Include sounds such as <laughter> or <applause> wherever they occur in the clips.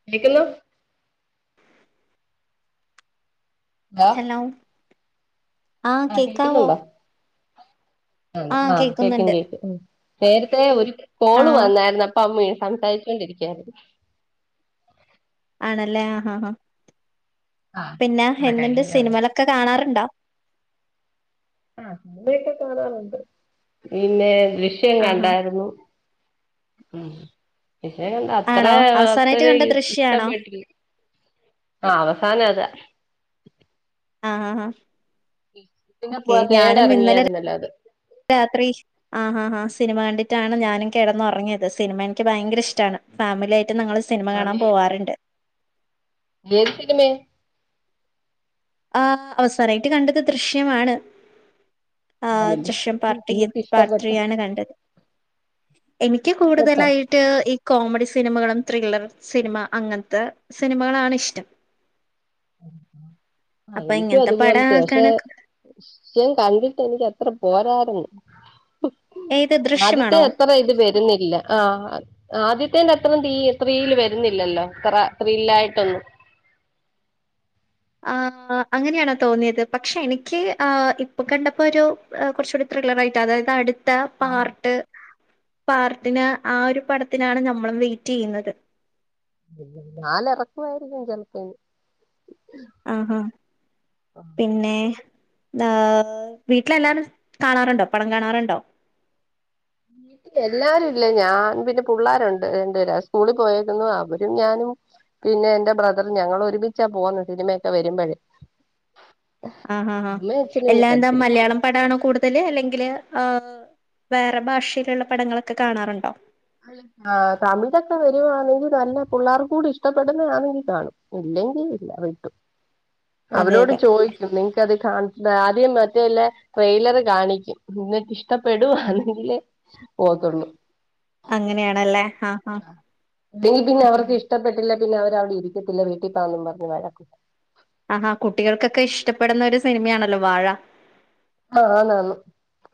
<unintelligible> Hello. ആ കേക്കാവോ ആ ആഹ് കേക്കും കേക്കുംഉം നേരത്തെ ഒരു കോള് ആഹ് വന്നായിരുന്നു അപ്പൊ അമ്മേ സംസാരിച്ചു കൊണ്ടിരിക്കയായിരുന്നു ആണല്ലേ ആഹാ ഹാ.. പിന്നെ എന്തുണ്ട് സിനിമളൊക്കെ കാണാറുണ്ടോ ആ സിനിമയൊക്കെ കാണാറുണ്ട് പിന്നെ... ദൃശ്യം ആഹാ കണ്ടായിരുന്നു ഉം <unintelligible> അത്ര ആണോ അവസാനായിട്ട് <unintelligible> കണ്ട ദൃശ്യാണോ ഇഷ്ടപെട്ടില്ല ആ അവസാനം അതാ ആഹ് ഹ ഹ പിന്നെ പോ തേട് റങ്ങിയായിരുന്നല്ലോ അത് രാത്രിശ് ആഹ് ഹ ഹ സിനിമ കണ്ടിട്ടാണ് ഞാനും കിടന്നു റങ്ങിയത് സിനിമ എനിക്ക് ഭയങ്കര ഇഷ്ടാണ് ഫാമിലി ആയിട്ട് നിങ്ങൾ സിനിമ കാണാൻ പോവാറുണ്ട് തേത് സിനിമേ ആ അവസാനായിട്ട് കണ്ടത് ദൃശ്യമാണ് ആ ആണില്ല ദൃശ്യം പാർട്ടിയത് എന്നിട്ട് പാർട്ട് ഇഷ്ടപ്പെട്ടോ ത്രീയാണ് കണ്ടത് എനിക്ക് ഇഷ്ടപ്പെട്ടോ കൂടുതലായി ട്ട് ഈ കോമഡി സിനിമകളും ത്രില്ലർ സിനിമ അങ്ങനത്തെ സിനിമകളാണിഷ്ടം ആ അപ്പൊ എനിക്കു ഇങ്ങനത്തെ പടം അതുപോലത്തെ പക്ഷെ.. ആക്കാണ് ശ്യം കണ്ടിട്ട് എനിക്ക് അത്ര പോരാരുന്നു ഹും ഏത് ആദ്യത്തെ ദൃശ്യമാണോ അത്ര ഇത് വരുന്നില്ല ആഹ ആദ്യത്തെന്റെത്രേംതീ ത്രീൽ വരുന്നില്ലല്ലോ ത്ര ത്രില്ലായിട്ടൊന്നും ആഹ അങ്ങനെയാണോ തോന്നിയത് പക്ഷെ എനിക്ക് ഇപ്പൊ കണ്ടപ്പോ ഒരു കുറച്ചുകൂടി ത്രില്ലർ ആയിട്ട് അതായത് അടി ട്ട് പാർട്ട് പാർട്ടിന് ആ ഒരു പടത്തിനാണ് ഞമ്മള് വെയിറ്റ് ചെയ്യുന്നത് ന്നാലു ഇറക്കുവായിരിക്കും ചിലപ്പൻ ആഹ് ഹ പി പിന്നെ.. ദാ വീട്ടിലെല്ലാരും കാണാറുണ്ടോ പടം കാണാറ്ണ്ടോ <inaudible> എല്ലാരുല്ല ഞാൻ പിന്നെ പുള്ളാരുണ്ട് രണ്ടുര് സ്കൂളിൽ പോയേക്കുന്നുവ. അവരും ഞാനും പിന്നെ എന്റെ ബ്രദറും ഞങ്ങളൊ രുമിച്ചാ <unintelligible> സിനിമയൊക്കെ വരുമ്പഴെ ആ ഹ് ഹ ഹാ അച്ഛനും എല്ലാ ഒന്നും എന്താ വരത്തില്ല മലയാളം പടാണോ കൂടുതൽ അല്ലെങ്കിൽ ആ.. വേറെ ഭാഷയിലുള്ള പടങ്ങളൊക്കെ കാണാറുണ്ടോ തമിഴൊക്കെ വരുവാണെങ്കിൽ നല്ല പുള്ളേർക്കു കൂടി ഇഷ്ടപ്പെടുന്നതാണെങ്കി കാണും ഇല്ലെങ്കിൽ ഇല്ല വിട്ടു അതെ അവരോട് അതെ ചോദിക്ക് <unintelligible> ടെയിലറ് കാണിക്കും എന്നിട്ട് ഇഷ്ടപ്പെടുവാണെങ്കിലേ പോത്തുള്ളൂ അങ്ങനെയാണല്ലേ ആഹ് ആഹ് ഇഷ്ടപ്പെട്ടില്ലെ പിന്നെ അവരവിടെ ഇരിക്കത്തില്ല വീട്ടിൽ പോകാന്ന് പറഞ്ഞു വഴക്ക് ആഹാ കുട്ടികൾക്കൊക്കെ ഇഷ്ടപ്പെടുന്ന ഒരു സിനിമയാണല്ലോ വാഴ ആഹ് ആന്ന് ആന്ന്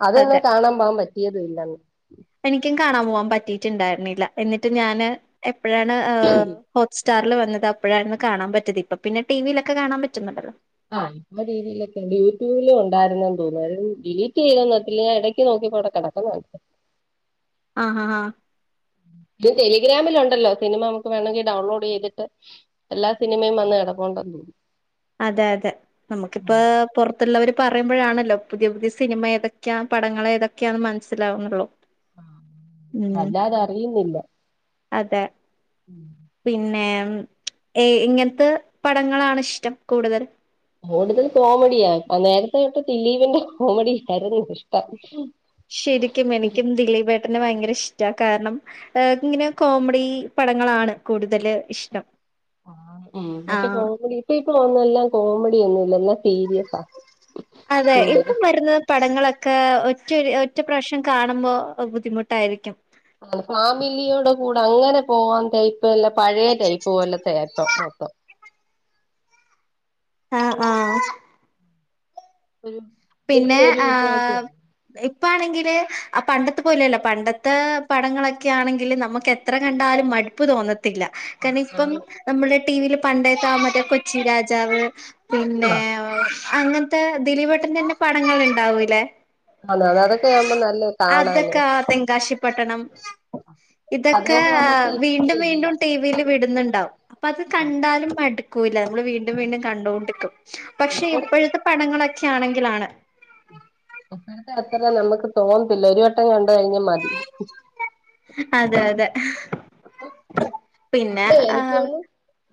അതന്നെ അതെ കാണാൻ പോകാൻ പറ്റിയതും ഇല്ലന്ന് എനിക്കും കാണാൻ പോകാൻ പറ്റിട്ടുണ്ടായിരുന്നില്ല എന്നിട്ട് ഞാൻ എപ്പോഴാണ് ഹോട്ട്സ്റ്റാർ വന്നത് അപ്പോഴാരുന്നു കാണാൻ പറ്റീത് ഇപ്പൊ പിന്നെ ടിവിയിലൊക്കെ കാണാൻ പറ്റുന്നുണ്ടല്ലോ ആ ആഹ് രീതിയിലൊക്ക യൂടൂബിലും ഉണ്ടായിരുന്നു എന്ന് തോന്നുന്നു അത് ഡിലീറ്റ് ചെയ്തോന്ന് അറിയത്തില്ല ഞാൻ ഇടയ്ക്ക് നോക്കിപ്പോവിടെ കിടക്കുന്ന കണ്ടു ആഹ് ഹാ ഹാ ഇത് ടെലിഗ്രാമിലൊണ്ടല്ലോ സിനിമ നമുക്ക് വേണമെങ്കിൽ ഡൗൺലോഡ് ചെയ്തിട്ട് എല്ലാ സിനിമയും വന്ന് കിടപ്പുണ്ടെന്നു തോന്നുന്നു അതെ അതെ നമുക്കിപ്പൊ പുറ ത്തുള്ളവര് പറയുമ്പോഴാണല്ലോ പുതിയ പുതിയ സിനിമ ഏതൊക്കെയാണ് പടങ്ങള് ഏതൊക്കെയാണെന്ന് മനസ്സിലാവുന്നുള്ളു ആഹ് അല്ലാതെ അറിയുന്നില്ല അതെ ഉം പിന്നെ എങ്ങനത്തെ പടങ്ങളാണ് ഇഷ്ടം കൂടുതൽ കൂടുതൽ കോമഡിയാ അ നേരത്തെയൊക്കെ ദിലീപിന്റെ കോമഡിയായിരുന്നു ഇഷ്ടം ശെരിക്കും എനിക്കും ദിലീപേട്ടനെ ഭയങ്കര ഇഷ്ടാ കാരണം ഏഹ് ഇങ്ങനെ കോമഡി പടങ്ങളാണ് കൂടുതൽ ഇഷ്ടം ആഹ് ഉം പക്ഷെ ആഹ് കോമഡി ഇപ്പൊ ഇപ്പൊ വന്ന് എല്ലാം കോമഡിയൊന്നൂല്ല എല്ലാം സീരിയസാ അതെ കൂടുതൽ ഇപ്പം വരുന്നത് പടങ്ങളൊക്കെ ഒറ്റൊരു ഒറ്റ പ്രാവിശ്യം കാണുമ്പോൾ ബുദ്ധിമുട്ടായിരിക്കും ആഹ് ഫാമിലിയോടെ കൂടെ അങ്ങനെ പോവാൻ ടൈപ്പ് അല്ല പഴയ ടൈപ്പ് പോലത്തെയിപ്പം മൊത്തം ആഹ് ആഹ് ഉം പിന്നെ ആഹ് ഇപ്പാണെങ്കില് പണ്ടത്തെ പോലെയല്ല പണ്ടത്തെ പടങ്ങളൊക്കെ ആണെങ്കിൽ നമുക്ക് എ ത്ര കണ്ടാലും മടുപ്പ് തോന്ന ത്തില്ല കാരണം ഇപ്പം ആണ് നമ്മുടെ ടിവിയിൽ പണ്ടത്തെ മറ്റേ കൊച്ചി രാജാവ് പിന്നെ ആഹ് അങ്ങനത്തെ ദിലീപേട്ടന്റെ തന്നെ പടങ്ങൾ ഉണ്ടാവൂലേ ആണ് അത് അതൊക്കെ ആവുമ്പോ നല്ല കാണാന് അതൊക്കെ പക്ഷെ ആഹ് തെങ്കാശി പട്ടണം ഇതൊക്കെ അതേപോലത്തെ ഇപ്പ വീണ്ടും ഇല്ല വീണ്ടും ടിവിയില് വിടുന്നുണ്ടാവും അപ്പൊ അത് കണ്ടാലും മടുക്കൂല്ല നമ്മള് വീണ്ടും വീണ്ടും കണ്ടോണ്ടിക്കും പക്ഷെ ഇപ്പഴത്തെ ഇപ്പോഴത്തെ പടങ്ങളൊക്കെ ആണെങ്കിലാണ് ഇപ്പോഴത്തെ അത്ര നമുക്ക് തോന്നത്തില്ല ഒരു വട്ടം കണ്ട് കഴിഞ്ഞാ മതി അതെ അതെ അപ്പ പിന്നെ ഇപ്പൊ എനിക്ക് ആഹ് തോന്നുന്നു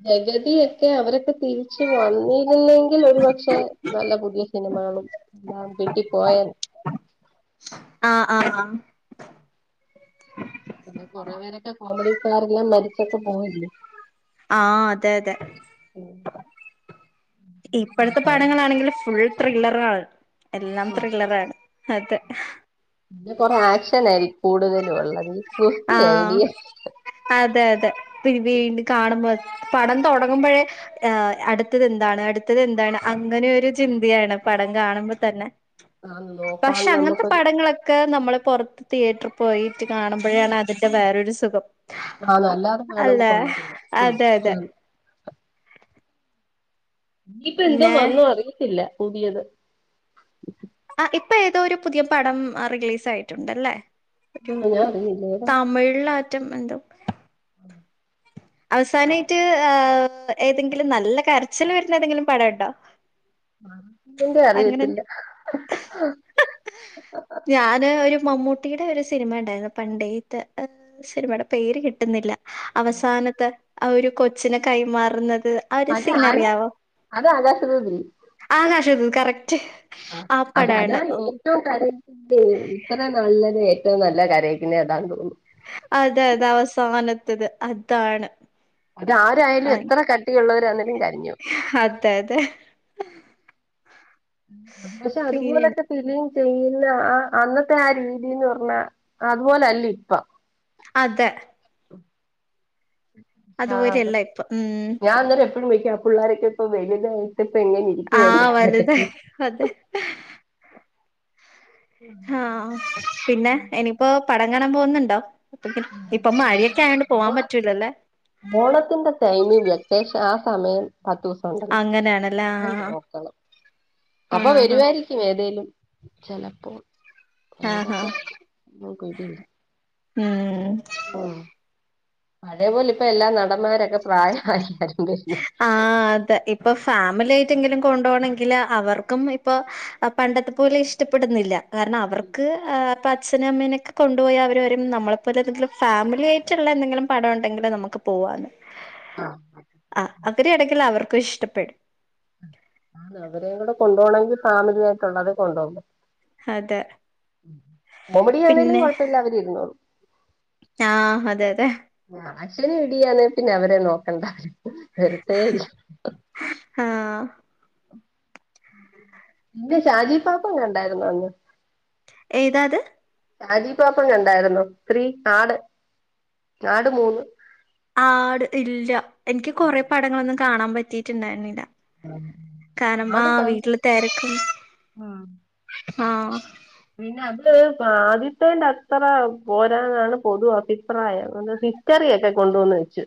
ജഗതിയൊക്കെ അവരൊക്കെ തിരിച്ച് വന്നിരുന്നെ ങ്കിൽ ഒരുപക്ഷെ നല്ല പുതിയ സിനിമകളും എല്ലാം കിട്ടി പോയേനെ ആഹ് ആഹ് ആഹ് പിന്നെ കുറെ പേരൊക്കെ കോമഡിക്കാരെല്ലാം മരിച്ചൊക്കെ പോയില്ലേ ആഹ് അതെ അതെ ഇപ്പഴത്തെ ആഹ് പടങ്ങളാണെങ്കിൽ ഫുൾ ത്രില്ലറാണ് എല്ലാം ത്രില്ലറാണ് അതെ പിന്നെ കൊറെ ആക്ഷൻ ആയിരിക്കും കൂടുതലും ഉള്ളത് കുസ്തി ആഹ് ഐഡിയ അതെ അതെ പിന്നെ വീണ്ടും കാണുമ്പോ പടം തുടങ്ങുമ്പോഴേ.. ആഹ് അടുത്തത് എന്താണ് അടുത്തത് എന്താണ് അങ്ങനെയൊരു ചിന്തയാണ് പടം കാണുമ്പോ തന്നെ ആഹ പക്ഷെ അങ്ങനത്തെ പടങ്ങളൊ ക്കെ നമ്മള് പൊറത്ത് തിയേറ്റർ പോയിട്ട് കാണുമ്പോഴാണ് അതിന്റെ വേറൊരു സുഖം. ആഹ നല്ലാതെ വേറൊന്നും അല്ലെ കൊള്ളത്തില്ല. അതെ ഉ അതെ യിപ്പ എന്തോ പിന്നെ വന്നോ അറിയയിത്തില്ല പുതിയത്. ആ ഇപ്പൊ ഏതോ ഒരു പുതിയ പടം റിലീസ് ആയട്ടുണ്ടല്ലേ? റ്റു ആന്നോ ഞാൻ അറിഞ്ഞില്ല തമിഴാറ്റം എന്തോ? <unintelligible> അവസാനായിട്ട് ഏതെങ്കിലും നല്ല കരച്ചിൽ വരുന്ന ഏതെങ്കിലും പടം ഉണ്ടോ <unintelligible> അങ്ങനെ അറിയത്തില്ല ഞാന് ഒരു മമ്മൂട്ടിയുടെ ഒരു സിനിമ ഉണ്ടായിരുന്നു. പണ്ടേത്തെ സിനിമയുടെ പേര് കിട്ടുന്നില്ല. അവസാനത്തെ ആ ഒരു കൊച്ചിനെ കൈമാറുന്നത്. ആഒര് അതാണ് സീനറിയാവോ അത് ആകാശദൂതിരി ആകാശദൂദ് കറക്റ്റ് ആപ്പടാണ് ഓ കരക്ക ഇത്ര നല്ലത് ഏറ്റവും നല്ല കരക്കിന്ന ഏതാ തോന്നും അതെ അതെ അവസാനത്തത് അതാണ്. അത് ആരായാലും ആ, എത്ര കട്ടിയള്ളവരന്നേലും കരഞ്ഞോവും. അതെ അതെ പക്ഷെ പിന്നെയാണ് അതുപോലൊക്കെ <unintelligible> ചെയ്യുന്ന ആ അന്നത്തെ ആ രീതിന്ന് പറഞ്ഞാ അതുപോലല്ല ഇപ്പ. അതെ ആ അതുപോലെയല്ല ഇപ്പൊ ഉം ഞാൻന്നേരം എപ്പഴും വക്കും പിള്ളോരൊക്കെ ഇപ്പ വലിയ ഇപ്പ എങ്ങന എനിക്ക് ആ വര വലുതായി അതെ ആഹ ആ പിന്നെ എനിപ്പോ പടം കാണാൻ പോകുന്നുണ്ടോ? <unintelligible> ഇപ്പൊ മഴയൊക്കെ ആണ് പോവാൻ പറ്റൂലല്ലേ? ഓണത്തിന്റെ ടൈമി വെക്കേഷൻ ആ സമയം പത്ത്സ അങ്ങനെയാണല്ലേ <unintelligible> ആഹ് നോക്കണം. അപ്പൊ ആഹ് വരുവായിരിക്ക ക്ക ഏതലും ചെലപ്പോ ആഹ് ഏതൊക്കെ നക്ക്ട്ടില്ല <unintelligible> ഉം ആ പഴേപോലെ ഇപ്പ എല്ലാ നടന്മാരൊക്കെ പ്രായമായില്ലേ? ആ അതെ ഇപ്പൊ ഫാമിലി ആയിട്ടെങ്കിലും കൊണ്ട ണങ്കില് അവർക്കും ഇപ്പൊ അ പണ്ടത്തെ പോലെ ഇഷ്ടപ്പെടുന്നില്ല കാരണം അവർക്ക് ആ പ്പ അച്ഛും അമ്മനെക്കെ കൊണ്ടു പോോയി അവർ വരും നമ്മളെപ്പോലെന്തെിലുംഫാമിലി ആയിട്ടുള്ള എന്തെങ്കിലും പടംണ്ടങ്കിൽ നമുക്ക് പോവൻ ആഹ ആഅവരി ഇടക്കങ്കില അവർക്കും ഇഷ്ടപ്പെടും. ആ അവര കൂടെ കൊണ്ടോണങ്കിൽ ഫാമിലായിട്ടുള്ളള്ളത കൊണ്ടകു അതെ കോമടിയാണേലും കൊഴപ്പമല്ല അവര് രുന്നോളും. ആഹ അതെ അതെ ക്യാഷ് റെഡി ആണേൽ പിന്നെ അവരെ നോക്കണ്ട വെറുതെ ഇരിക്ക് ആഹ ഇന്റെ ഷാജി പാപ്പന്നെ കണണ്ടായിരുന്ന അന്ന്? ഏതാത്? ഷാജിപാപ്പൻ കണ്ടായിരുന്നോ ത്രീ ആട് മൂവി. ആട് ഇല്ല എനിക്ക് കൊറെേ പടങ്ങളൊന്നും കാണാൻ പറ്റിട്ടുണ്ടായിരുന്നില്ല. കാരണം ആ വീട്ടില് തിരക്കും ആഹ പിന്നെ അത് ആദ്യത്തേന്റെ അത്ര പോരാന്നാണ് പൊതു അഭിപ്രായം കറിയൊക്കെ കൊണ്ടെന്നു വെച്ച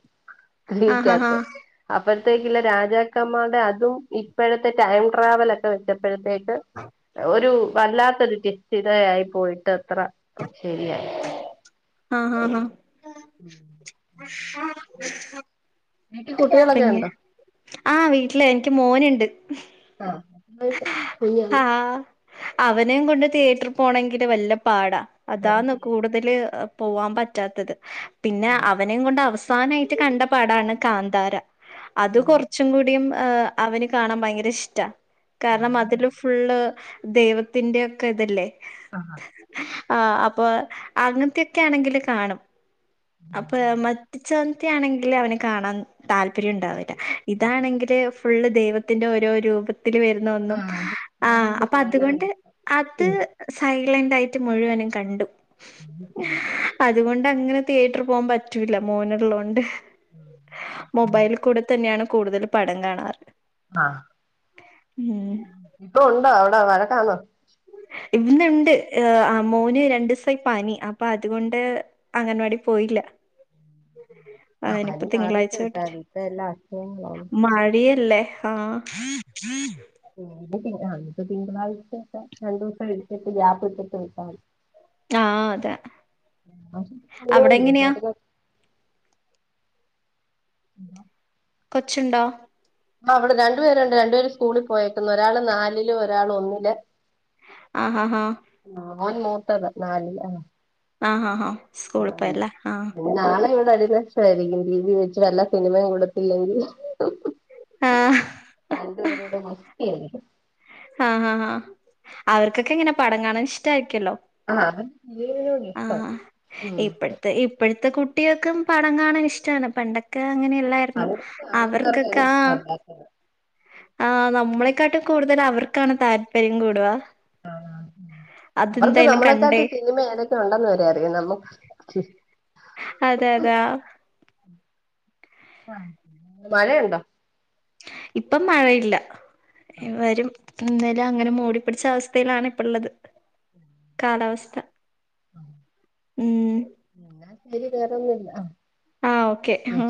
ആഹ് ആഹ് തീകത്. അപ്പഴത്തേക്കുള്ള രാജാക്കന്മാരുടെ അതും ഇപ്പോഴത്തെ ടൈം ട്രാവൽ ഒക്കെ വെച്ചപ്പോഴത്തേക്ക് ഒരു വല്ലാത്തൊരു സ്ഥിതയായി പോയിട്ട് അത്ര ശരിയായി ആഹ് ആഹ് ആഹ് ഉം <unintelligible> വീട്ടിൽ കുട്ടികളൊക്കെ ഉണ്ടോ ആഹ് വീട്ടില എനിക്ക് മോനുണ്ട് ആഹ് കൈച്ചോ ആഹ് അവനെയും കൊണ്ട് തിയേറ്റർ പോണമെങ്കില് വല്ല്യ പാടാ അതാണ് കൂടുതൽ പോവാൻ പറ്റാത്തത് പിന്നെ അവൻ അവനെകൊണ്ട് അവസാനായിട്ട് കണ്ട പടാണ് കാന്താര അത് കൊർച് അവന് കാണാൻ ഭയങ്കര ഇഷ്ട കാരണം അതിൽ ഉള്ള ദൈവത്തിന്റെ ഒക്കെ ഇതല്ലേ ആഹ് ആഹ് അപ്പൊ അങ്ങനത്തെെയൊക്കെ ആണെങ്കിൽ കാണും അപ്പൊ മറ്റച്ചവത്തി ആണെങ്കിൽ അവനെ കാണാൻ താല്പര്യം ഉണ്ടാവില്ല ഇതാണെങ്കില് ഫുള്ള് ദൈവത്തിന്റെ ഓരോ രൂപത്തിൽ വ ഓരോന്ന് അപ്പൊ കാണാന് അതുകൊണ്ട് അത് സൈലന്റ് ആയിട്ട് മുഴുവനും കണ്ടു <inaudible> അതുകൊണ്ട് അങ്ങനെ തിയേറ്റർ പോകാൻ പറ്റൂല്ല മോനുള്ളൊണ്ട് മൊബൈൽ കൂടെ തന്നെയാണ് കൂടുതൽ പടം കാണാറ് ആഹ് ഉം ഇപ്പൊ ഉണ്ടോ അവിടെ വഴക്കണോ ഇന്നണ്ട് ആ മോന് രണ്ടീസായി പനി അപ്പൊ അതുകൊണ്ട് അംഗൻവാടി പോയില്ല ആ അവനിപ്പോ പനി മാറിട്ട് തിങ്കളാഴ്ച വിട്ടാതി ഇപ്പ എല്ലാം അസുഖങ്ങളള്ള യല്ലേ ആഹ് അ തിങ്കളാഴ്ചട്ട രണ്ടു ദിവസം കഴിഞ്ഞ് ഗ്യാപ്പിട്ട് വിട്ടമതി ആഹ് അതെ അവിടെ എങ്ങനെയാ ല്ലേതൊക്ക <inaudible> കൊച്ചുണ്ടോ ആ ഇവിടെ രണ്ടു പേരുണ്ട് രണ്ടുപേര് സ്കൂളിൽ പോയേക്കുന്നു ഒരാള് നാലില് ഒരാള് ഒന്നില് ആഹാഹാ ആ മോൻ മൂത്തത് നാലിൽ ആണ് ആഹ് ആഹ് ആഹ് സ്കൂൾ പോയല്ലേ ആഹ് നാളെ ഇവിടെ അടി നഷ്ടായിരിക്കും ടിവി വെച്ച നല്ല സിനിമയും കൊടുത്തില്ലെങ്കിൽ ആഹ് രണ്ടുപേരുംകൂടാ ഗുസ്തി ആയിരിക്കും ആഹ് ഹാ അവർക്കൊക്കെ ഇങ്ങനെ പടം കാണാൻ ഇഷ്ടയിരിക്കല്ലോ ആ അവർക്ക് സിനിമയോട് ഇഷ്ടാ ആഹ് ഉം ഇപ്പഴത്തെ ഇപ്പഴത്തെ കുട്ടി കുട്ടികൾക്കും പടം കാണാ ഇഷ്ടമാണ് പണ്ടൊക്കെ അങ്ങനെയാല്ല അവർക്കൊക്കെ അഹ് ആഹ് നമ്മളെക്കാട്ടും കൂടുതൽ അവർക്കാണ് താല്പര്യം കൂടുവാ ആഹ് അവർക്ക് കണ്ടേ നമ്മളെക്കാട്ടും സിനിമ ഏതൊക്കെ ഉണ്ടെന്ന് വരെ അറിയാം നമ്മ അതെ അതെ ആ. ആഹ് മഴയുണ്ടോ ഇപ്പം മഴയില്ല വരും എന്തോലും അങ്ങനെ മൂടി പിടിച്ച അവസ്ഥയിലാണ് ഇപ്പള്ളത് കാലാവസ്ഥ ഉം വലിയ ക്ലിയർ ഒന്നും ല്ല്യ ആഹ് ഓക്കെ മ്